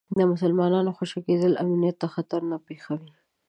د مسلمانانو خوشي کېدل امنیت ته خطر نه پېښوي.